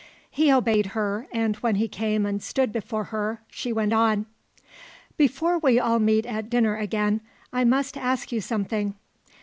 He obeyed her and when he came and stood before her she went on. "Before we all meet at dinner again, I must ask you something.